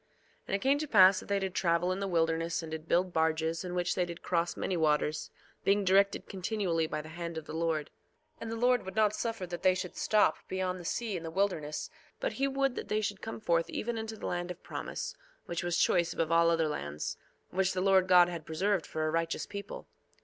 2:6 And it came to pass that they did travel in the wilderness, and did build barges, in which they did cross many waters, being directed continually by the hand of the Lord. 2:7 And the Lord would not suffer that they should stop beyond the sea in the wilderness, but he would that they should come forth even unto the land of promise, which was choice above all other lands, which the Lord God had preserved for a righteous people.